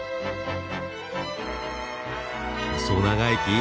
細長い木。